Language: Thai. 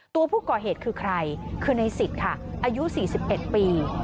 ตัวผู้ก่อเหตุคือใครคือในศิษย์ค่ะอายุสี่สิบเอ็ดปี